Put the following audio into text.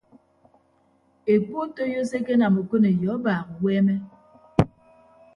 Ekpu otoiyo se ekenam okoneyo abaak uweeme.